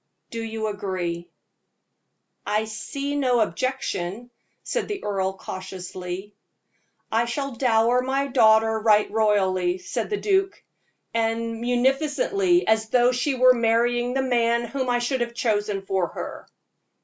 Do you agree?" "I see no objection," said the earl, cautiously. "I shall dower my daughter right royally," said the duke "as munificently as though she were marrying the man whom I should have chosen for her."